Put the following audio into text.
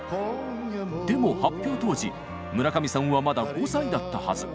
でも発表当時村上さんはまだ５歳だったはず。